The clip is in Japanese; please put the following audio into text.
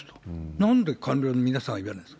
なんで官僚の皆さんは言われますか。